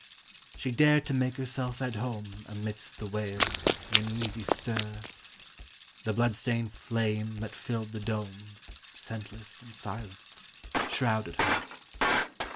She dared to make herself at home Amidst the wail, the uneasy stir. The blood stained flame that filled the dome, Scentless and silent, shrouded her.